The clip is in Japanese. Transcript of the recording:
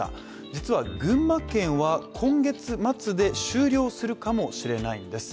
実は群馬県は今月末で終了するかもしれないんです。